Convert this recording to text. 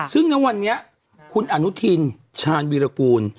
ซึ่งณวันนี้คุณอนุทินชาญวีรกูล